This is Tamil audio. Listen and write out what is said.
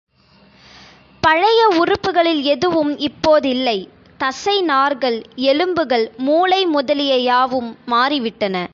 பழைய உறுப்புக்களில் எதுவும் இப்போதில்லை தசை நார்கள், எலும்புகள், மூளை முதலிய யாவும் மாறிவிட்டன.